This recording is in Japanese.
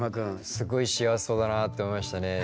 すごい幸せそうだなって思いましたね。